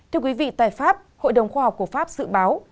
thưa quý vị tại pháp hội đồng khoa học của pháp dự báo